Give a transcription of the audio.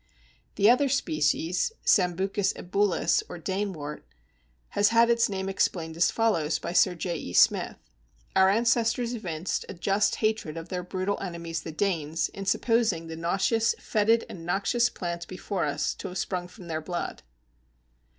The other species (Sambucus ebulus, or Danewort) has had its name explained as follows by Sir J. E. Smith: "Our ancestors evinced a just hatred of their brutal enemies the Danes in supposing the nauseous, fetid, and noxious plant before us to have sprung from their blood."